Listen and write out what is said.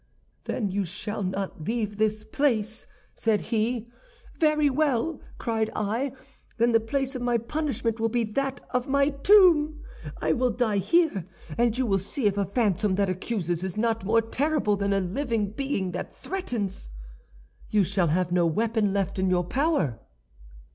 "'Then you shall not leave this place,' said he. "'Very well,' cried I, 'then the place of my punishment will be that of my tomb. I will die here, and you will see if a phantom that accuses is not more terrible than a living being that threatens!' "'You shall have no weapon left in your power.